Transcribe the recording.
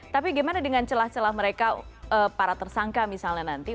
tapi gimana dengan celah celah mereka para tersangka misalnya nanti